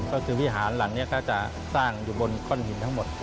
ก็คือวิหารหลังนี้ก็จะสร้างอยู่บนก้อนหินทั้งหมด